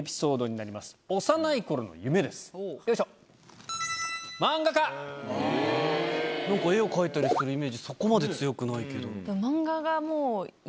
なんか絵を描いたりするイメージそこまで強くないけど。